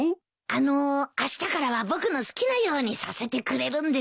あのうあしたからは僕の好きなようにさせてくれるんですよね？